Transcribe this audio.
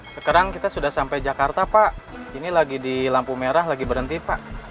sekarang kita sudah sampai jakarta pak ini lagi di lampu merah lagi berhenti pak